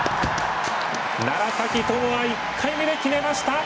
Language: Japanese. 楢崎智亜、１回目で決めました！